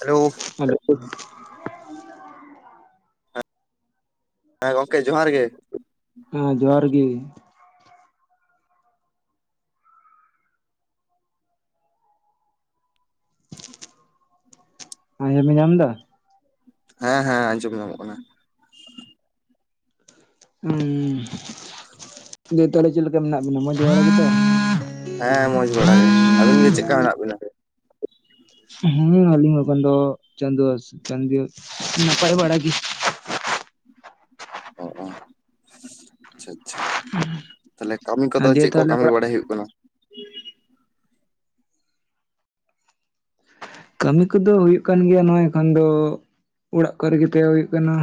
Hello hello ᱦᱮᱸ ᱜᱚᱝᱠᱮ ᱡᱚᱦᱟᱨ ᱜᱮ ᱦᱮᱸ ᱡᱚᱦᱟᱨ ᱜᱮ ᱟᱸᱡᱚᱢ ᱧᱟᱢᱫᱟ ᱦᱮᱸᱻᱦᱮᱸᱻ ᱟᱸᱡᱚᱢ ᱧᱟᱢᱚᱜ ᱠᱟᱱᱟ ᱩᱸ [inaudible] ᱫᱤᱭᱮ ᱛᱟᱦᱞᱮ ᱪᱮᱫ ᱞᱮᱠᱟ ᱢᱮᱱᱟᱜ ᱵᱮᱱᱟ ᱢᱚᱡᱽ ᱵᱟᱲᱟ ᱜᱮᱛᱚ ᱦᱮᱸ ᱢᱚᱸᱡᱽ ᱵᱟᱲᱟ ᱜᱮ ᱟᱹᱵᱤᱱ ᱜᱮ ᱪᱮᱫ ᱞᱮᱠᱟ ᱢᱮᱱᱟᱜ ᱵᱮᱱᱟ ᱦᱮᱸ ᱟᱹᱞᱤᱧ ᱦᱚᱸ ᱵᱟᱱ ᱫᱚ ᱪᱟᱸᱫᱳ ᱟᱥ ᱪᱟᱺᱫᱤ ᱟᱥ ᱱᱟᱯᱟᱭ ᱵᱟᱲᱟ ᱜᱮ ᱦᱚᱸᱜᱼᱚᱭ ᱟᱪᱪᱷᱟ ᱟᱪᱷᱟ ᱛᱟᱦᱞᱮ ᱠᱟᱹᱢᱤ ᱠᱚᱫᱚ ᱟᱨ ᱫᱤᱭᱮ ᱪᱮᱫ ᱠᱚ ᱛᱟᱦᱚᱞᱮ ᱠᱟᱹᱢᱤ ᱚᱲᱟᱜ ᱵᱟᱲᱟᱭ ᱦᱩᱭᱩᱜ ᱠᱟᱱᱟ ᱠᱟᱹᱢᱤ ᱠᱚᱫᱚ ᱦᱩᱭᱩᱜ ᱠᱟᱱ ᱜᱮᱭᱟ ᱱᱚᱜ ᱮᱠᱷᱚᱱ ᱫᱚ ᱚᱲᱟᱜ ᱠᱚᱨᱮᱜᱮ ᱛᱟᱸᱦᱮ ᱦᱩᱭᱩᱜ ᱠᱟᱱᱟ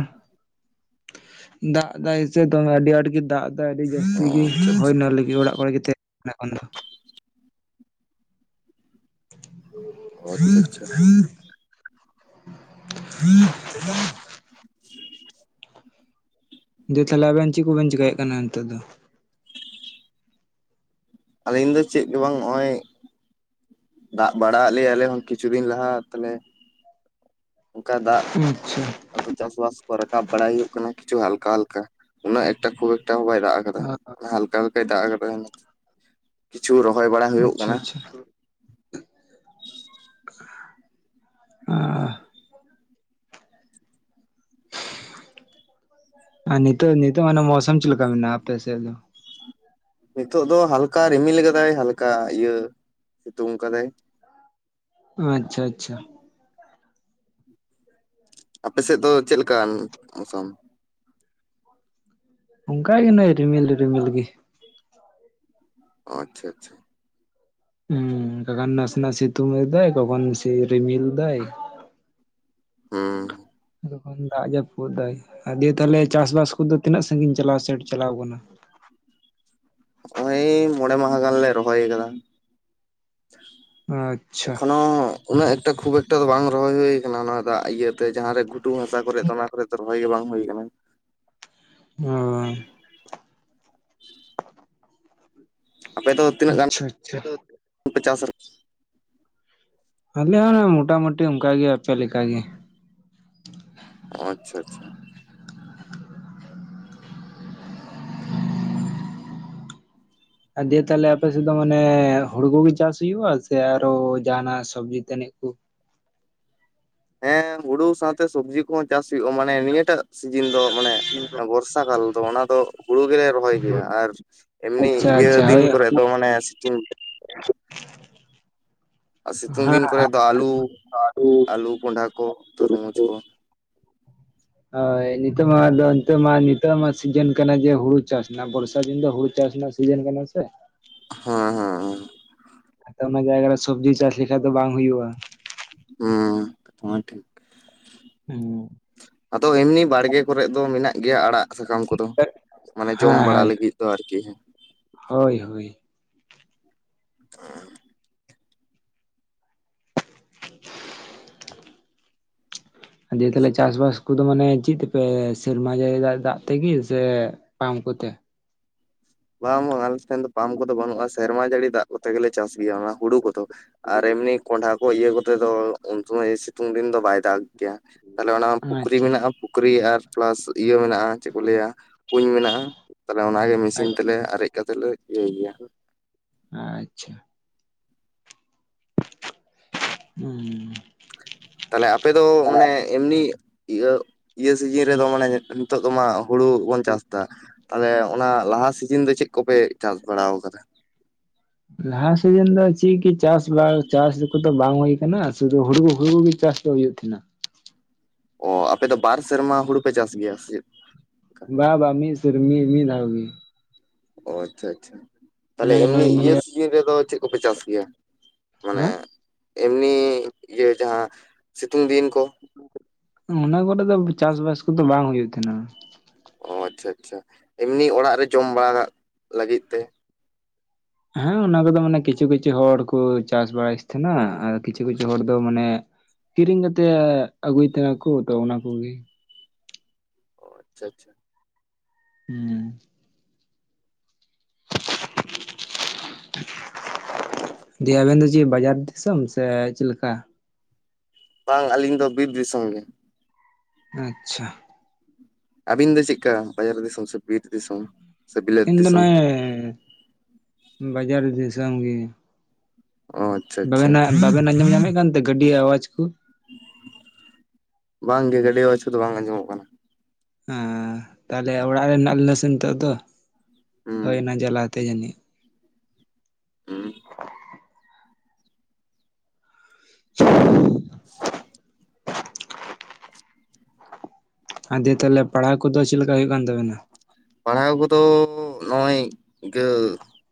ᱫᱟᱜ ᱫᱟᱭ ᱥᱮ ᱫᱚᱢᱮ ᱟᱹᱰᱤ ᱟᱸᱴᱜᱮ ᱫᱟᱜ ᱫᱟ ᱟᱹᱰᱤ ᱚ ᱡᱟᱹᱥᱛᱤ ᱜᱤ ᱟᱪᱪᱷᱟ ᱟᱪᱪᱷᱟ ᱦᱳᱭᱱᱟ ᱞᱟᱹᱜᱤᱫ ᱚᱲᱟᱜ ᱠᱚᱨᱮ ᱜᱮ [unintelligible] ᱚ ᱟᱪᱪᱷᱟ ᱟᱪᱪᱷᱟ [inaudible] [inaudible] ᱡᱮ ᱛᱟᱦᱞᱮ ᱟᱵᱮᱱ ᱪᱮᱜ ᱠᱚᱵᱮᱱ ᱪᱮᱠᱟᱭᱮᱜ ᱠᱟᱱᱟ ᱱᱤᱛᱚᱜ ᱫᱚ ᱟᱹᱞᱤᱧ ᱫᱚ ᱪᱮᱫ ᱜᱮ ᱵᱟᱝ ᱱᱚᱜᱼᱚᱭ ᱫᱟᱜ ᱵᱟᱲᱟᱼᱟᱜ ᱞᱮᱭᱟ ᱟᱞᱮ ᱦᱚᱸ ᱠᱤᱪᱷᱩ ᱫᱤᱱ ᱞᱟᱦᱟ ᱛᱟᱞᱮ ᱚᱝᱠᱟ ᱫᱟᱜ ᱟᱪᱪᱷᱟ ᱟᱫᱚ ᱪᱟᱥ ᱵᱟᱥ ᱠᱚ ᱨᱟᱠᱟᱵ ᱵᱟᱲᱟᱭ ᱦᱩᱭᱩᱜ ᱠᱟᱱᱟ ᱠᱤᱪᱷᱩ ᱦᱟᱞᱠᱟ ᱦᱟᱞᱠᱟ ᱩᱱᱟᱹᱜ ᱮᱠᱴᱟ ᱠᱷᱩᱵ ᱮᱠᱴᱟ ᱦᱚᱸ ᱵᱟᱭ ᱫᱟᱜ ᱠᱟᱫᱟ ᱦᱟᱞᱠᱟ ᱦᱟᱞᱠᱟᱭ ᱫᱟᱜ ᱟᱠᱟᱫᱟ ᱠᱤᱪᱷᱩ ᱨᱚᱦᱚᱭ ᱵᱟᱲᱟ ᱦᱩᱭᱩᱜ ᱟᱪᱪᱷᱟ ᱠᱟᱱᱟ ᱟᱪᱪᱷᱟ [unintelligible] ᱟᱨ ᱱᱤᱛᱚᱜ ᱱᱤᱛᱚᱜ ᱢᱟᱱᱮ ᱢᱚᱣᱥᱟᱢ ᱪᱮᱫ ᱞᱮᱠᱟ ᱢᱮᱱᱟᱜᱼᱟ ᱟᱯᱮ ᱥᱮᱫ ᱫᱚ ᱱᱤᱛᱚᱜ ᱫᱚ ᱦᱟᱞᱠᱟ ᱨᱤᱢᱤᱞ ᱟᱠᱟᱫᱟᱭ ᱦᱟᱞᱠᱟ ᱤᱭᱟᱹ ᱥᱤᱛᱩᱝ ᱠᱟᱫᱟᱭ ᱟᱪᱪᱷᱟ ᱟᱪᱪᱷᱟ ᱟᱯᱮᱥᱮᱫ ᱫᱚ ᱪᱮᱫ ᱞᱮᱠᱟᱱ ᱢᱚᱥᱟᱢ ᱚᱱᱠᱟ ᱜᱮ ᱱᱚᱜᱼᱚᱭ ᱨᱤᱢᱤᱞ ᱨᱤᱢᱤᱞ ᱜᱤ ᱟᱪᱪᱷᱟ ᱟᱪᱪᱷᱟ ᱦᱩᱸ ᱠᱟᱠᱷᱟᱱ ᱱᱟᱥᱮᱱᱟᱜ ᱥᱤᱛᱩᱝ ᱮᱫᱟᱭ ᱠᱚᱠᱷᱚᱱ ᱥᱮ ᱨᱤᱢᱤᱞ ᱫᱟᱭ ᱦᱮᱸ ᱛᱚᱠᱷᱚᱱ ᱫᱟᱜ ᱡᱟᱹᱯᱩᱫ ᱫᱟᱭ ᱫᱤᱭᱟᱹ ᱛᱟᱦᱞᱮ ᱪᱟᱥᱵᱟᱥ ᱠᱚᱫᱚ ᱛᱤᱱᱟᱹᱜ ᱥᱟᱹᱜᱤᱧ ᱪᱟᱞᱟᱣ ᱥᱮᱴ ᱪᱟᱞᱟᱣ ᱠᱟᱱᱟ ᱱᱚᱜᱼᱚᱸᱭ ᱢᱚᱬᱮ ᱢᱟᱦᱟ ᱜᱟᱱᱞᱮ ᱨᱚᱦᱚᱭ ᱟᱠᱟᱫᱟ ᱟᱪᱪᱷᱟ ᱮᱠᱷᱚᱱᱚ ᱩᱱᱟᱹᱜ ᱮᱠᱴᱟ ᱠᱷᱩᱵ ᱮᱠᱴᱟ ᱫᱚ ᱵᱟᱝ ᱨᱚᱦᱚᱭ ᱦᱩᱭ ᱟᱠᱟᱱᱟ ᱚᱱᱟ ᱫᱟᱜ ᱤᱭᱟᱹ ᱛᱮ ᱡᱟᱦᱟᱸ ᱨᱮ ᱜᱷᱩᱴᱩ ᱦᱟᱸᱥᱟ ᱠᱚᱨᱮᱜ ᱚᱱᱟ ᱠᱚᱨᱮᱜ ᱨᱚᱦᱚᱭ ᱜᱮ ᱵᱟᱝ ᱦᱩᱭ ᱠᱟᱱᱟ [inaudible] ᱟᱯᱮ ᱫᱚ ᱛᱤᱱᱟᱹᱜ ᱜᱟᱱ ᱟᱪᱪᱷᱟ ᱟᱪᱪᱷᱟ [inaudible] ᱯᱮ ᱪᱟᱥᱟ [unintelligible] ᱟᱞᱮ ᱦᱚᱸ ᱢᱚᱴᱟᱢᱩᱴᱤ ᱚᱝᱠᱟ ᱜᱮ ᱟᱯᱮ ᱞᱮᱠᱟᱜᱮ ᱟᱪᱪᱷᱟ ᱟᱪᱷᱟ ᱟᱹ ᱫᱤᱭᱟᱹ ᱛᱟᱦᱚᱞᱮ ᱟᱯᱮ ᱥᱮᱫ ᱫᱚ ᱢᱟᱱᱮ ᱦᱩᱲᱩ ᱠᱚᱜᱮ ᱪᱟᱥ ᱦᱩᱭᱩᱜᱼᱟ ᱥᱮ ᱟᱨᱚ ᱡᱟᱦᱟᱱᱟᱜ ᱥᱚᱵᱽᱡᱤ ᱛᱟᱹᱱᱤᱡ ᱠᱩ ᱦᱮᱸ ᱦᱩᱲᱩ ᱥᱟᱶᱛᱮ ᱥᱚᱵᱽᱡᱤ ᱠᱚᱦᱚᱸ ᱪᱟᱥ ᱦᱩᱭᱩᱜᱼᱟ ᱢᱟ ᱢᱟᱱᱮ ᱱᱤᱭᱟᱹᱴᱟᱜ ᱥᱤᱡᱤᱱ ᱫᱚ ᱢᱟᱱᱮ ᱵᱚᱨᱥᱟ ᱫᱟᱞ ᱫᱚ ᱚᱱᱟ ᱫᱚ ᱦᱩᱲᱩ ᱜᱮᱞᱮ ᱨᱚᱦᱚᱭ ᱜᱮᱭᱟ ᱟᱨ ᱮᱢᱱᱤ ᱟᱪᱪᱷᱟ ᱤᱭᱟᱹ ᱟᱪᱪᱷᱟ ᱫᱤᱱ ᱦᱳᱭ ᱠᱚᱨᱮ ᱫᱚ ᱢᱟᱱᱮ ᱥᱤᱛᱩᱝ [unintelligible] ᱟᱨ ᱦᱮᱸ ᱥᱤᱛᱩᱝ ᱫᱤᱱ ᱠᱚᱨᱮ ᱦᱮᱸ ᱫᱚ ᱟᱹᱞᱩ ᱟᱹᱞᱩ ᱠᱚᱱᱰᱷᱟ ᱠᱚ ᱛᱩᱨᱢᱩᱡᱽ ᱠᱚ ᱦᱳᱭ ᱱᱤᱛᱚᱜ ᱢᱟ ᱫᱚ ᱱᱤᱛᱚᱜ ᱢᱟ ᱱᱤᱛᱚᱜ ᱢᱟ ᱥᱤᱡᱤᱱ ᱠᱟᱱᱟ ᱡᱮ ᱦᱩᱲᱩ ᱪᱟᱥ ᱨᱮᱱᱟᱜ ᱵᱚᱨᱥᱟ ᱫᱤᱱ ᱫᱚ ᱦᱩᱲᱩ ᱪᱟᱥ ᱨᱮᱱᱟᱜ ᱥᱤᱡᱮᱱ ᱠᱟᱱᱟ ᱥᱮ ᱦᱳᱸᱭ ᱦᱚᱸ ᱦᱚᱸ ᱛᱮ ᱚᱱᱟ ᱡᱟᱭᱜᱟ ᱨᱮ ᱥᱚᱵᱽᱡᱤ ᱪᱟᱥ ᱞᱮᱠᱷᱟᱡ ᱫᱚ ᱵᱟᱝ ᱦᱩᱭᱩᱜᱼᱟ ᱦᱩᱸ [unintelligible] ᱴᱷᱤᱠ ᱦᱩᱸ ᱟᱫᱚ ᱮᱢᱱᱤ ᱵᱟᱲᱜᱮ ᱠᱚᱨᱮᱜ ᱫᱚ ᱢᱮᱱᱟᱜ ᱜᱮᱭᱟ ᱟᱲᱟᱜ ᱥᱟᱠᱟᱢ ᱠᱚᱫᱚ ᱢᱟᱱᱮ ᱡᱚᱢ ᱵᱟᱲᱟ ᱦᱳᱭ ᱞᱟᱹᱜᱤᱫ ᱫᱚ ᱟᱨᱠᱤ ᱦᱳᱭ ᱦᱳᱭ ᱚ ᱫᱤᱭᱟᱹ ᱛᱟᱦᱞᱮ ᱪᱟᱥᱵᱟᱥ ᱠᱚᱫᱚ ᱢᱟᱱᱮ ᱪᱮᱫ ᱛᱮᱯᱮ ᱥᱮᱨᱢᱟ ᱡᱟᱹᱲᱤ ᱫᱟᱜ ᱫᱟᱜ ᱛᱮᱜᱮ ᱥᱮ ᱯᱟᱢ ᱠᱚᱛᱮ ᱵᱟᱝ ᱵᱟᱝ ᱟᱞᱮ ᱴᱷᱮᱱ ᱫᱚ ᱯᱟᱢ ᱠᱚᱫᱚ ᱵᱟᱹᱱᱩᱜᱼᱟ ᱥᱮᱨᱢᱟ ᱡᱟᱹᱲᱤ ᱫᱟᱜ ᱠᱚᱛᱮ ᱜᱮᱞᱮ ᱪᱟᱥ ᱜᱮᱭᱟ ᱚᱱᱟ ᱦᱩᱲᱩ ᱠᱚᱫᱚ ᱟᱨ ᱮᱢᱱᱤ ᱠᱚᱸᱰᱷᱟ ᱠᱚ ᱤᱭᱟᱹ ᱠᱚᱛᱮ ᱫᱚ ᱩᱱ ᱥᱚᱢᱚᱭ ᱥᱤᱛᱩᱝ ᱫᱤᱱ ᱫᱚ ᱵᱟᱭ ᱫᱟᱜ ᱜᱮᱭᱟ ᱛᱟᱦᱞᱮ ᱚᱱᱟ ᱯᱩᱠᱷᱨᱤ ᱟᱪᱪᱷᱟ ᱢᱮᱱᱟᱜᱼᱟ ᱯᱩᱠᱷᱨᱤ ᱟᱨ ᱯᱞᱟᱥ ᱤᱭᱟᱹ ᱢᱮᱱᱟᱜᱼᱟ ᱪᱮᱜ ᱠᱚ ᱞᱟᱹᱭᱟ ᱠᱩᱧ ᱢᱮᱱᱟᱜᱼᱟ ᱛᱟᱦᱞᱮ ᱚᱱᱟᱜᱮ ᱢᱮᱥᱤᱱ ᱛᱮᱞᱮ ᱟᱨᱮᱡ ᱠᱟᱛᱮ ᱞᱮ ᱤᱭᱟᱹ ᱜᱮᱭᱟ ᱟᱪᱪᱷᱟ ᱦᱩᱸ ᱦᱩᱸ ᱛᱟᱦᱞᱮ ᱟᱯᱮ ᱫᱚ ᱢᱟᱱᱮ ᱮᱢᱱᱤ ᱤᱭᱟᱹ ᱤᱭᱟᱹ ᱥᱤᱡᱤᱱ ᱨᱮᱫᱚ ᱢᱟᱱᱮ ᱱᱤᱛᱚᱜ ᱫᱚ ᱢᱟ ᱦᱩᱲᱩ ᱵᱚᱱ ᱪᱟᱥ ᱮᱫᱟ ᱛᱟᱦᱚᱞᱮ ᱚᱱᱟ ᱞᱟᱦᱟ ᱥᱤᱡᱤᱱ ᱫᱚ ᱪᱮᱫ ᱠᱚᱯᱮ ᱪᱟᱥ ᱵᱟᱲᱟ ᱟᱠᱟᱫᱟ ᱞᱟᱦᱟ ᱥᱤᱡᱤᱱ ᱫᱚ ᱪᱤᱫ ᱜᱮ ᱪᱟᱥ ᱵᱟᱥ ᱪᱟᱥ ᱠᱚᱫᱚ ᱵᱟᱝ ᱦᱩᱭ ᱠᱟᱱᱟ ᱥᱩᱫᱩ ᱦᱩᱲᱩ ᱦᱩᱭᱩ ᱜᱮ ᱪᱟᱥ ᱫᱚ ᱦᱩᱭᱩᱜ ᱛᱟᱦᱮᱱᱟ ᱚ ᱟᱯᱮ ᱫᱚ ᱵᱟᱨ ᱥᱮᱨᱢᱟ ᱦᱩᱲᱩ ᱯᱮ ᱪᱟᱥ ᱜᱮᱭᱟ ᱥᱮ ᱪᱮᱫ ᱵᱟ ᱵᱟ [unintelligible] [unintelligible] ᱢᱤᱫ ᱫᱷᱟᱣ ᱜᱮ ᱚ ᱟᱪᱪᱷᱟ ᱟᱪᱪᱷᱟ ᱛᱟᱦᱞᱮ ᱢᱟᱱᱮ ᱮᱢᱱᱤ ᱱᱚᱜᱼᱚᱭ ᱤᱭᱟᱹ ᱱᱤᱭᱟᱹ ᱥᱤᱡᱤᱱ ᱨᱮᱫᱚ ᱪᱮᱜ ᱠᱚᱯᱮ ᱪᱟᱥ ᱜᱮᱭᱟ ᱢᱟᱱᱮ ᱦᱮᱸ ᱮᱢᱱᱤ ᱤᱭᱟᱹ ᱡᱟᱦᱟᱸ ᱥᱤᱛᱩᱝ ᱫᱤᱱ ᱠᱚ ᱚᱱᱟ ᱠᱚᱨᱮ ᱫᱚ ᱪᱟᱥᱵᱟᱥ ᱠᱚᱫᱚ ᱵᱟᱝ ᱦᱩᱭᱩᱜ ᱛᱟᱦᱮᱱᱟ ᱚ ᱟᱪᱪᱷᱟ ᱟᱪᱪᱷᱟ ᱮᱢᱱᱤ ᱚᱲᱟᱜ ᱨᱮ ᱡᱚᱢ ᱵᱟᱲᱟ ᱞᱟᱹᱜᱤᱫ ᱛᱮ ᱦᱮᱸ ᱚᱱᱟ ᱠᱚᱫᱚ ᱢᱟᱱᱮ ᱠᱤᱪᱷᱩ ᱠᱤᱪᱷᱩ ᱦᱚᱲ ᱠᱚ ᱪᱟᱥ ᱵᱟᱲᱟᱭᱮᱫ ᱛᱟᱦᱮᱱᱟ ᱟᱨ ᱠᱤᱪᱷᱩ ᱠᱤᱪᱷᱩ ᱦᱚᱲ ᱫᱚ ᱢᱟᱱᱮ ᱠᱤᱨᱤᱧ ᱠᱟᱛᱮᱜ ᱟᱹᱜᱩᱭ ᱛᱟᱦᱮ ᱱᱟᱠᱩ ᱟᱫᱚ ᱚᱱᱟ ᱠᱚᱜᱮ ᱚ ᱟᱪᱪᱷᱟ ᱟᱪᱪᱷᱟ ᱦᱮᱸ [unintelligible] ᱫᱤᱭᱮ ᱟᱵᱮᱱ ᱫᱚ ᱪᱮᱫ ᱵᱟᱡᱟᱨ ᱫᱤᱥᱚᱢ ᱥᱮ ᱪᱮᱫ ᱞᱮᱠᱟ ᱵᱟᱝ ᱟᱹᱞᱤᱧ ᱫᱚ ᱵᱤᱨ ᱫᱤᱥᱚᱢ ᱜᱮ ᱟᱪᱪᱷᱟ ᱟᱵᱤᱱ ᱫᱚ ᱪᱮᱫᱠᱟ ᱵᱟᱡᱟᱨ ᱫᱤᱥᱚᱢ ᱥᱮ ᱵᱤᱨ ᱫᱤᱥᱚᱢ ᱥᱮ ᱵᱤᱞᱟᱹᱛ ᱤᱧ ᱫᱚ ᱫᱤᱥᱚᱢ? ᱱᱚᱜᱼᱚᱭ ᱵᱟᱡᱟᱨ ᱫᱤᱥᱚᱢ ᱜᱮ ᱚ ᱟᱪᱪᱷᱟ ᱟᱪᱪᱷᱟ ᱵᱟᱵᱮᱱᱟᱜ ᱵᱟᱵᱮᱱ ᱟᱸᱡᱚᱢ ᱧᱟᱢᱮᱫ ᱠᱟᱱᱛᱮ ᱜᱟᱹᱰᱤ ᱟᱣᱟᱡ ᱠᱚ ᱵᱟᱝᱜᱮ ᱜᱟᱹᱰᱤ ᱟᱣᱟᱡ ᱠᱚᱫᱚ ᱵᱟᱝ ᱟᱸᱡᱚᱢᱚᱜ ᱠᱟᱱᱟ ᱚ ᱛᱟᱦᱚᱞᱮ ᱚᱲᱟᱜ ᱨᱮ ᱢᱮᱱᱟᱜ ᱞᱤᱧᱟᱹ ᱥᱮ ᱱᱤᱛᱚᱜ ᱫᱚ ᱦᱳᱭ ᱦᱩᱸ ᱚᱱᱟ ᱡᱟᱞᱟᱛᱮ ᱡᱟᱹᱱᱤᱡ ᱦᱩᱸ [unintelligible] [unintelligible] ᱟᱨ ᱫᱤᱭᱮ ᱛᱟᱦᱚᱞᱮ ᱯᱟᱲᱦᱟᱣ ᱠᱚᱫᱚ ᱪᱮᱜ ᱞᱮᱠᱟ ᱦᱩᱭᱩᱜ ᱠᱟᱱ ᱛᱟᱵᱮᱱᱟ ᱯᱟᱲᱦᱟᱣ ᱠᱚᱫᱚ ᱱᱚᱜᱼᱚᱭ ᱜᱟ.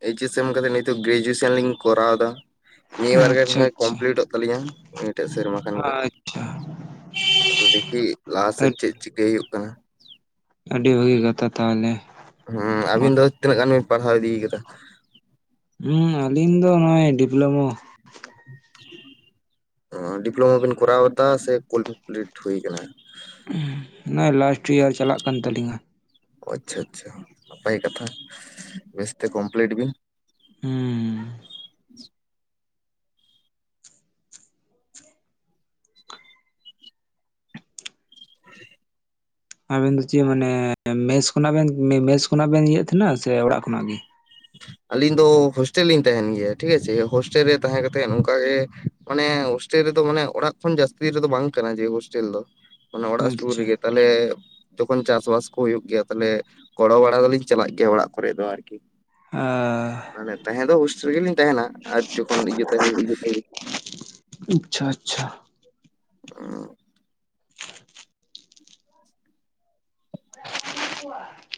ᱮᱭᱤᱪᱮᱥ ᱮᱢ ᱠᱟᱛᱮᱫ ᱱᱤᱛᱚᱜ ᱜᱨᱮᱡᱩᱭᱮᱥᱚᱱ ᱞᱤᱧ ᱠᱚᱨᱟᱣ ᱮᱫᱟ ᱱᱤᱭᱟᱹ ᱵᱟᱨ ᱜᱮ ᱢᱚᱬᱮ ᱟᱪᱪᱷᱟ ᱦᱚᱭ ᱟᱪᱪᱷᱟ ᱠᱚᱢᱯᱞᱤᱴᱚᱜ ᱛᱟᱹᱞᱤᱧᱟ ᱱᱤᱭᱟᱹᱴᱟᱜ ᱥᱮᱨᱢᱟ ᱠᱷᱟᱱ ᱜᱮ᱾ ᱟᱪᱪᱷᱟ ᱟᱫᱚ ᱫᱠᱷᱤ ᱞᱟᱦᱟ ᱥᱮᱫ ᱪᱮᱫ ᱪᱤᱠᱟᱹᱭ ᱦᱩᱭᱩᱜ ᱠᱟᱱᱟ᱾ ᱟᱹᱰᱤ ᱵᱷᱟᱹᱜᱤ ᱠᱟᱛᱷᱟ ᱛᱟᱦᱚᱞᱮ᱾ ᱦᱮᱸ ᱟᱵᱤᱱ ᱫᱚ ᱛᱤᱱᱟᱹᱜ ᱜᱟᱱ ᱵᱤᱱ ᱯᱟᱲᱦᱟᱣ ᱤᱫᱤ ᱠᱟᱫᱟ? ᱦᱩ ᱟᱹᱞᱤᱧ ᱫᱚ ᱱᱚᱜᱼᱚᱭ ᱰᱤᱯᱞᱳᱢᱳ ᱰᱤᱯᱞᱳᱢᱟ ᱵᱮᱤᱱ ᱠᱚᱨᱟᱣᱫᱟ ᱥᱮ ᱠᱚ ᱠᱚᱢᱯᱞᱤᱴ ᱦᱩᱭ ᱠᱟᱱᱟ᱾ ᱱᱚᱭ ᱞᱟᱥᱴ ᱤᱭᱟᱨ ᱪᱟᱞᱟᱜ ᱠᱟᱱ ᱛᱟᱹᱞᱤᱧᱟ᱾ ᱟᱪᱪᱷᱟ ᱟᱪᱪᱷᱟ ᱱᱟᱯᱟᱭ ᱠᱟᱛᱷᱟ ᱵᱮᱥᱛᱮ ᱠᱚᱢᱯᱞᱤᱴ ᱵᱤᱱ ᱦᱩᱸ [inaudible] ᱟᱵᱮᱱ ᱫᱚ ᱪᱮᱫ ᱢᱟᱱᱮ ᱢᱮᱥ ᱠᱷᱚᱱᱟᱜ ᱵᱮᱱ ᱢᱮᱥ ᱠᱷᱚᱱᱟᱜ ᱵᱮᱱ ᱤᱭᱮᱫ ᱛᱟᱦᱮᱱᱟ ᱥᱮ ᱚᱲᱟᱜ ᱠᱷᱚᱱᱟᱜ ᱜᱮ ᱟᱹᱞᱤᱧ ᱫᱚ ᱦᱳᱥᱴᱮᱞ ᱞᱤᱧ ᱛᱟᱦᱮᱱ ᱜᱮᱭᱟ ᱴᱷᱤᱠ ᱟᱪᱷᱮ ᱦᱳᱥᱴᱮᱞ ᱨᱮ ᱛᱟᱦᱮᱸ ᱠᱟᱛᱮᱫ ᱱᱚᱝᱠᱟᱜ ᱜᱮ ᱢᱟᱱᱮ ᱦᱳᱥᱴᱮᱞ ᱨᱮᱫᱚ ᱢᱟᱱᱮ ᱚᱲᱟᱜ ᱠᱷᱚᱱ ᱡᱟᱹᱥᱛᱤ ᱨᱮᱫᱚ ᱵᱟᱝ ᱠᱟᱱᱟ ᱡᱮ ᱦᱳᱥᱴᱮᱞ ᱫᱚ ᱢᱟᱱᱮ ᱚᱲᱟᱜ ᱥᱩᱨ ᱟᱪᱪᱷᱟ ᱨᱮᱜᱮ ᱛᱟᱦᱚᱞᱮ ᱛᱚᱠᱷᱚᱱ ᱪᱟᱥ ᱵᱟᱥ ᱠᱚ ᱦᱩᱭᱩᱜ ᱜᱮᱭᱟ ᱛᱟᱦᱞᱮ ᱜᱚᱲᱚ ᱵᱟᱲᱟ ᱫᱚᱞᱤᱧ ᱪᱟᱞᱟᱜ ᱜᱮᱭᱟ ᱚᱲᱟᱜ ᱠᱚᱨᱮ ᱫᱚ ᱟᱨᱠᱤ ᱟᱨ [unintelligible] [inaudible] ᱢᱟᱱᱮ ᱛᱟᱦᱮᱸ ᱫᱚ ᱚᱥᱚ ᱨᱮᱜᱮᱞᱤᱧ ᱛᱟᱦᱮᱱᱟ ᱟᱨ ᱡᱚᱠᱷᱚᱱ ᱤᱭᱟᱹ ᱛᱟᱦᱮᱱᱟ [inaudible] ᱟᱪᱪᱷᱟ ᱟᱪᱪᱷᱟ ᱟᱨ [unintelligible] [inaudible] ᱠᱚ [inaudible]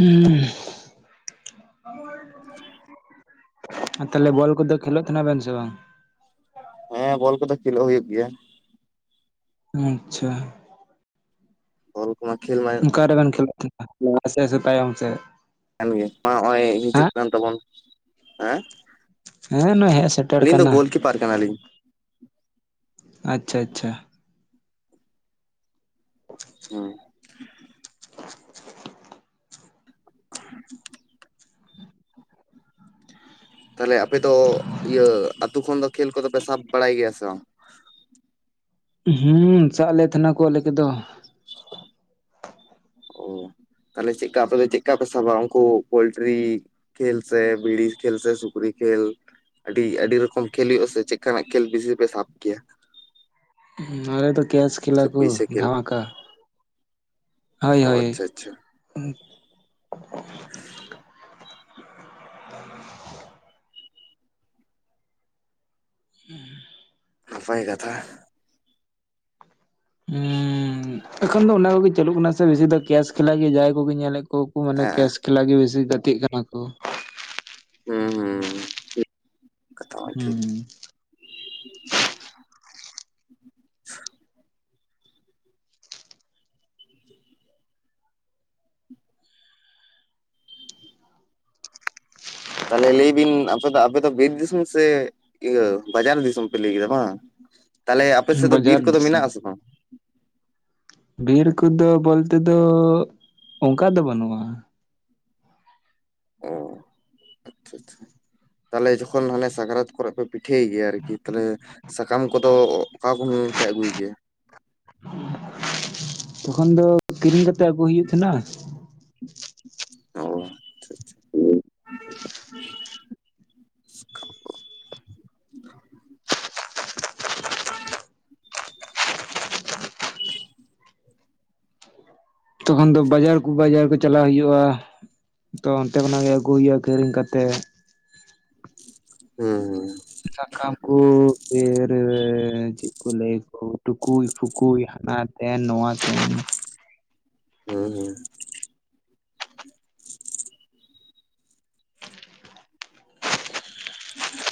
ᱦᱮᱸ [inaudible] [inaudible] ᱛᱟᱦᱞᱮ ᱵᱚᱞ ᱠᱚᱫᱚ ᱠᱷᱮᱞᱳᱜ ᱛᱟᱦᱮᱱᱟ ᱵᱮᱱ ᱥᱮ ᱵᱟᱝ ᱦᱮᱸ ᱵᱚᱞ ᱠᱚᱫᱚ ᱠᱷᱮᱞᱳᱜ ᱦᱩᱭᱩᱜ ᱜᱮᱭᱟ ᱟᱪᱪᱷᱟ ᱵᱚᱞ ᱠᱚᱢᱟ ᱠᱷᱮᱞ ᱢᱟᱭ ᱚᱠᱟ ᱨᱮᱵᱮᱱ ᱠᱷᱮᱞᱳᱜ ᱛᱟᱦᱮᱱᱟ ᱞᱟᱦᱟ ᱥᱮᱜ ᱥᱮ ᱛᱟᱭᱚᱢ ᱥᱮᱜ ᱠᱟᱱ ᱜᱮ ᱢᱟ ᱱᱚᱜᱼᱚᱭ ᱦᱤᱡᱩᱜ ᱠᱟᱱ ᱛᱟᱵᱚᱱ ᱦᱮᱸ ᱦᱮᱸ ᱱᱚᱜᱼᱚᱭ ᱦᱮᱡ ᱥᱮᱴᱮᱨ ᱟᱹᱞᱤᱧ ᱫᱚ ᱠᱟᱱᱟ ᱜᱳᱞᱠᱤᱯᱟᱨ ᱠᱟᱱᱟᱞᱤᱧ ᱟᱪᱪᱷᱟ ᱟᱪᱪᱷᱟ [inaudible] [unintelligible] ᱛᱟᱦᱞᱮ ᱟᱯᱮ ᱫᱚ ᱤᱭᱟᱹ ᱟᱛᱳ ᱠᱷᱚᱱ ᱫᱚ ᱠᱷᱹᱮᱞ ᱠᱚᱫᱚ ᱯᱮ ᱥᱟᱵ ᱵᱟᱲᱟᱭ ᱜᱮᱭᱟ ᱥᱮ ᱵᱟᱝ? ᱦᱩᱸ ᱥᱟᱵ ᱞᱮ ᱛᱟᱦᱮᱱᱟ ᱠᱚ ᱫᱚ [unintelligible] ᱚ ᱛᱟᱦᱞᱮ ᱪᱮᱫᱠᱟ ᱟᱯᱮ ᱫᱚ ᱪᱮᱫᱮ ᱯᱮ ᱥᱟᱵᱟ ᱩᱱᱠᱩ ᱯᱳᱞᱴᱨᱤ ᱠᱷᱮᱞ ᱵᱤᱲ ᱠᱷᱮᱞ ᱥᱩᱠᱨᱤ ᱠᱷᱮᱞ ᱟᱹᱰᱤ ᱟᱹᱰᱤ ᱨᱚᱠᱚᱢ ᱠᱷᱮᱞ ᱦᱩᱭᱩᱜ-ᱟ ᱥᱮ ᱪᱮᱫᱠᱟᱱᱟᱜ ᱠᱷᱮᱞ ᱵᱮᱥᱤ ᱯᱮ ᱥᱟᱵ ᱠᱮᱭᱟ ᱟᱞᱮ ᱫᱚ ᱠᱮᱥ ᱠᱷᱞᱟ ᱥᱮ ᱠᱚ ᱯᱩᱭᱥᱟᱹ ᱠᱷᱮᱞ ᱫᱷᱟᱢᱟᱠᱟ ᱦᱳᱭ ᱚ ᱟᱪᱪᱷᱟ ᱦᱳᱭ ᱟᱪᱪᱷᱟ ᱦᱮᱸ [inaudible] ᱱᱟᱯᱟᱭ ᱠᱟᱛᱷᱟ ᱦᱮᱸ ᱮᱠᱷᱚᱱ ᱫᱚ ᱚᱱᱟ ᱠᱚᱜᱮ ᱪᱟᱞᱩᱜ ᱠᱟᱱᱟ ᱥᱮ ᱵᱮᱥᱤ ᱫᱚ ᱠᱮᱥ ᱮᱠᱞᱟ ᱜᱮ ᱡᱟᱦᱟᱸᱟᱭ ᱠᱚᱜᱮ ᱧᱮᱞᱮᱫ ᱠᱚᱣᱟ ᱠᱚ ᱢᱟᱱᱮ ᱦᱮᱸ ᱠᱮᱥᱠᱮᱞᱟ ᱜᱮ ᱵᱮᱥᱤ ᱜᱟᱛᱮᱜ ᱠᱟᱱᱟ ᱠᱚ᱾ ᱦᱮᱸ ᱦᱩᱸ ᱠᱟᱛᱷᱟ ᱢᱟ ᱴᱷᱤᱠ ᱦᱩᱸ [unintelligible] [inaudible] [unintelligible] [inaudible] [unintelligible] ᱛᱟᱦᱚᱞᱮ ᱞᱟᱹᱭ ᱵᱤᱱ ᱟᱯᱮ ᱫᱚ ᱟᱯᱮ ᱫᱚ ᱵᱤᱨ ᱫᱤᱥᱚᱢ ᱥᱮ ᱤᱭᱟᱹ ᱵᱟᱡᱟᱨ ᱫᱤᱥᱚᱢ ᱯᱮ ᱞᱟᱹᱭ ᱠᱮᱫᱟ ᱵᱟᱝ, ᱛᱟᱦᱞᱮ ᱟᱯᱮ ᱥᱮᱫ ᱫᱚ ᱵᱤᱨ ᱵᱟᱡᱟᱨ ᱠᱚᱫᱚ ᱢᱮᱱᱟᱜ-ᱟ ᱫᱤᱥᱚᱢ ᱥᱮ ᱵᱟᱝ ᱵᱤᱨ ᱠᱚᱫᱚ ᱵᱚᱞᱛᱮ ᱫᱚ ᱚᱱᱠᱟ ᱫᱚ ᱵᱟᱹᱱᱩᱜᱼᱟ ᱚ ᱟᱪᱪᱷᱟ ᱟᱪᱪᱷᱟ, ᱛᱟᱦᱚᱞᱮ ᱡᱚᱠᱷᱚᱱ ᱦᱟᱞᱮ ᱥᱟᱠᱨᱟᱛ ᱠᱚᱨᱮ ᱯᱮ ᱯᱤᱴᱷᱟᱹᱭ ᱜᱮᱭᱟ ᱟᱨᱠᱤ ᱛᱟᱦᱚᱞᱮ ᱥᱟᱠᱟᱢ ᱠᱚᱫᱚ ᱚᱠᱟ ᱠᱚᱦᱚᱸ ᱯᱮ ᱟᱹᱜᱩᱭ ᱜᱮᱭᱟ? ᱛᱚᱠᱷᱚᱱ ᱫᱚ ᱠᱤᱨᱤᱧ ᱠᱟᱛᱮ ᱟᱹᱜᱩᱭ ᱦᱩᱭᱩᱜ ᱛᱟᱦᱮᱸᱱᱟ᱾ ᱚ ᱟᱪᱪᱷᱟ ᱟᱪᱪᱷᱟ ᱦᱮᱸ ᱛᱚᱠᱷᱚᱱ ᱫᱚ ᱵᱟᱡᱟᱨ ᱠᱚ ᱵᱟᱡᱟᱨ ᱠᱚ ᱪᱟᱞᱟᱣ ᱦᱩᱭᱩᱜᱼᱟ᱾ ᱛᱚ ᱚᱱᱛᱮ ᱠᱷᱚᱱᱟᱜ ᱜᱮ ᱟᱹᱜᱩ ᱦᱩᱭᱩᱜ-ᱟ, ᱠᱤᱨᱤᱧ ᱠᱟᱛᱮᱜ᱾ ᱦᱮᱸᱻ ᱥᱠᱟᱢ ᱠᱚ ᱤᱭᱟᱹ ᱨᱮ, ᱪᱮᱫ ᱠᱚ ᱞᱟᱹᱭᱟ ᱴᱩᱠᱩᱡ ᱯᱷᱩᱠᱩᱡ ᱦᱟᱱᱟ ᱛᱮᱱ ᱱᱚᱣᱟ [unintelligible] ᱦᱩᱸᱻ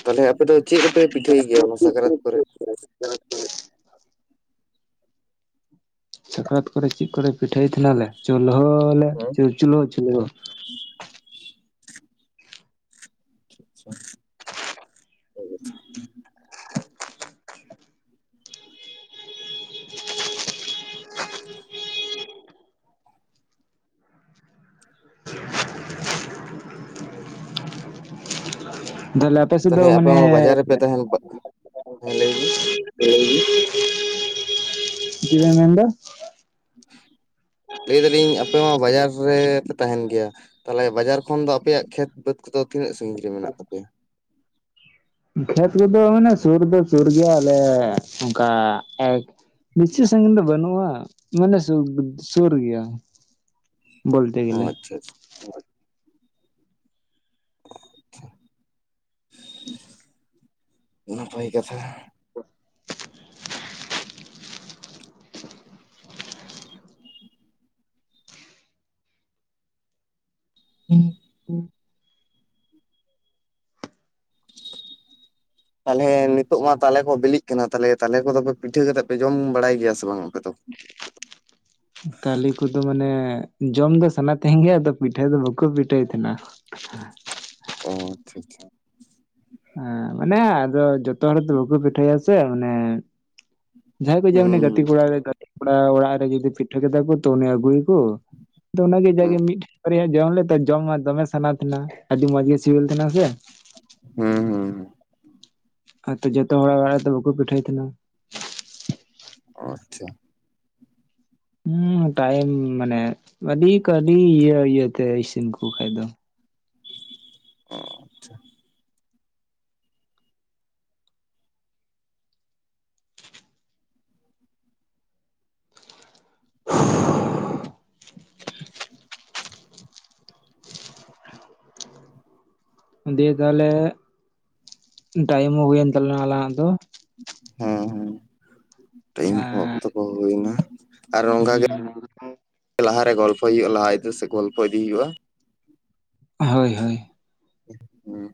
ᱛᱟᱦᱞᱮ ᱟᱯᱮ ᱫᱚ ᱪᱮᱫ ᱨᱮᱯᱮ ᱯᱤᱴᱷᱟᱹᱭ ᱜᱮᱭᱟ ᱚᱱᱟ ᱥᱟᱠᱨᱟᱛ ᱠᱚᱨᱮ? [inaudible] ᱥᱟᱠᱨᱟᱛ ᱠᱚᱨᱮ ᱪᱮᱫ ᱠᱚᱨᱮ ᱯᱤᱴᱟᱹᱭ ᱦᱱᱟ ᱞᱮ ᱪᱩᱞᱦᱟᱹ ᱪᱩᱞ ᱪᱩᱞᱦᱟᱹ, ᱦᱮᱸ ᱟᱪᱪᱷᱟ [inaudible] ᱛᱟᱦᱞᱮ ᱟᱯᱮ ᱥᱮᱫ ᱛᱟᱦᱚᱞᱮ ᱫᱚ ᱟᱯᱮ ᱢᱟᱱᱮ ᱢᱟ ᱵᱟᱡᱟᱨ ᱨᱮᱯᱮ ᱛᱟᱦᱮᱱ ᱦᱮᱸ ᱞᱟᱹᱭ ᱵᱤᱱ [unintelligible] [inaudible] ᱪᱮᱫ ᱢᱮᱱᱫᱟ? ᱞᱮ ᱫᱟᱞᱤᱧ ᱟᱯᱮ ᱦᱚᱸ ᱵᱟᱡᱟᱨ ᱨᱮᱻᱯᱮ ᱛᱟᱦᱮᱱ ᱜᱮᱭᱟ? ᱛᱟᱦᱞᱮ ᱵᱟᱡᱟᱨ ᱠᱷᱚᱱ ᱫᱚ ᱟᱯᱮᱭᱟᱜ ᱠᱷᱮᱛ ᱵᱟᱹᱫᱽ ᱠᱚᱫᱚ ᱛᱤᱱᱟᱹᱜ ᱥᱟᱺᱜᱤᱧ ᱨᱮ ᱢᱮᱱᱟᱜ ᱛᱟᱯᱮᱭᱟ? ᱠᱷᱮᱛ ᱨᱮᱫᱚ ᱢᱟᱱᱮ ᱥᱩᱨ ᱫᱚ ᱥᱩᱨ ᱜᱮᱭᱟᱞᱮ ᱚᱱᱠᱟ ᱮᱠ ᱵᱮᱥᱤ ᱥᱟᱺᱜᱤᱧ ᱫᱚ ᱵᱟᱹᱱᱩᱜᱼᱟ ᱢᱟᱱᱮ ᱥᱤᱫ ᱥᱩᱨ ᱜᱮᱭᱟ᱾ [inaudible] ᱵᱚᱞᱛᱮ ᱚ ᱜᱮᱞ ᱟᱪᱪᱷᱟ ᱟᱪᱪᱷᱟ [unintelligible] ᱱᱟᱯᱟᱭ ᱠᱟᱛᱷᱟ᱾ [inaudible] ᱦᱮᱸ ᱦᱩ ᱛᱟᱦᱞᱮ ᱱᱤᱛᱚᱜ ᱢᱟ ᱛᱟᱦᱚᱞᱮ [unintelligible] ᱵᱤᱞᱤᱜ ᱠᱟᱱᱟ, ᱛᱟᱦᱞᱮ ᱛᱟᱞᱮ ᱠᱚᱫᱚ ᱯᱮ ᱯᱤᱴᱷᱟᱹ ᱠᱟᱛᱮᱜ ᱯᱮ ᱡᱚᱢ ᱵᱟᱲᱟᱭ ᱜᱮᱭᱟ ᱥᱮ ᱵᱟᱝ ᱟᱯᱮ ᱫᱚ? ᱛᱟᱞᱮ ᱠᱚᱫᱚ ᱢᱟᱱᱮ ᱡᱚᱢ ᱫᱚ ᱥᱟᱱᱟ ᱛᱟᱦᱮᱸ ᱜᱮᱭᱟ, ᱟᱫᱚ ᱯᱤᱴᱷᱟᱹ ᱫᱚ ᱵᱟᱠᱚ ᱯᱤᱴᱷᱟᱹᱭ ᱛᱟᱦᱮᱸᱱᱟ᱾ ᱦᱮᱸ ᱚ ᱟᱪᱪᱷᱟ ᱟᱪᱪᱷᱟ ᱦᱮᱸ ᱢᱟᱱᱮ ᱟᱫᱚ ᱡᱚᱛᱚ ᱦᱚᱲ ᱫᱚ ᱵᱟᱠᱚ ᱯᱤᱴᱷᱟᱹᱭᱟᱥᱮ ᱢᱟᱱᱮ, ᱡᱟᱦᱟᱸᱭ ᱠᱚ ᱦᱤᱡᱩᱜ-ᱟ ᱢᱟᱱᱮ ᱜᱟᱛᱮ ᱦᱩᱸ ᱠᱚᱲᱟ, ᱜᱟᱛᱮ ᱠᱚᱲᱟ ᱚᱲᱟᱜ ᱨᱮ ᱡᱩᱫᱤ ᱯᱤᱴᱷᱟᱹ ᱠᱮᱫᱟ ᱠᱚ ᱛᱚ ᱚᱱᱮ ᱟᱹᱜᱩᱭ ᱠᱩ ᱫᱚ ᱚᱱᱟᱜᱮ ᱡᱟᱜᱮ ᱦᱩᱸ ᱢᱤᱫᱴᱮᱡ ᱵᱟᱨᱭᱟ ᱡᱚᱢ ᱞᱮᱫᱟ ᱡᱚᱢᱟ, ᱫᱚᱢᱮ ᱥᱟᱱᱟ ᱛᱟᱦᱮᱱᱟ ᱟᱹᱰᱤ ᱢᱚᱸᱡᱽ ᱜᱮ ᱥᱤᱵᱤᱞ ᱛᱟᱦᱮᱱᱟ ᱥᱮ? ᱦᱩ ᱦᱩ ᱦᱩ ᱟᱨᱛᱚ ᱡᱷᱚᱛᱚ ᱦᱚᱲᱟᱜ ᱚᱲᱟᱜ ᱨᱮᱫᱚ ᱵᱟᱠᱚ ᱯᱤᱴᱷᱟᱹᱭ ᱛᱟᱦᱮᱱᱟ᱾ ᱚ ᱟᱪᱪᱷᱟ ᱦᱮᱸ ᱴᱟᱭᱤᱢ ᱢᱟᱱᱮ ᱟᱹᱰᱤ ᱟᱹᱰᱤ ᱤᱭᱟᱹ ᱤᱭᱟᱹᱛᱮ ᱤᱥᱤᱱ ᱠᱚ ᱠᱷᱟᱡ ᱫᱚ᱾ ᱚ ᱟᱪᱪᱷᱟ ᱫᱤᱭᱮ ᱛᱟᱦᱚᱞᱮ ᱴᱟᱭᱤᱢ ᱦᱚᱸ ᱦᱩᱭᱮᱱ ᱛᱟᱞᱟᱝᱟ ᱟᱞᱟᱝᱟᱜ ᱫᱚ᱾ ᱦᱮᱸ ᱦᱮᱸ ᱴᱟᱭᱤᱢ ᱠᱚ ᱚᱠᱛᱚ ᱮᱸ ᱠᱚ ᱦᱳᱭ‌ᱱᱟ᱾ ᱟᱨ ᱚᱝᱠᱟᱜᱮ, ᱦᱩᱸ ᱞᱟᱦᱟᱨᱮ ᱜᱚᱞᱯᱚ ᱦᱳᱭᱳᱜᱼᱟ ᱞᱟᱦᱟ ᱤᱫᱤ ᱥᱮᱫ ᱜᱚᱞᱯᱚ ᱤᱫᱤ ᱦᱩᱭᱩᱜᱼᱟ᱾ ᱦᱳᱭ ᱦᱳᱭ ᱦᱩᱸ